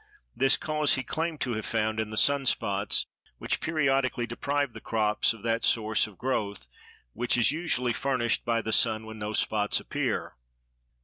This cause he claimed to have found in the sun spots, which periodically deprive the crops of that source of growth which is usually furnished by the sun when no spots appear.